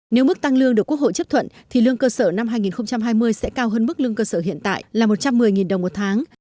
nếu mức tăng lương được quốc hội chấp thuận thì lương cơ sở năm hai nghìn hai mươi sẽ cao hơn mức lương cơ sở hiện tại là một trăm một mươi đồng một tháng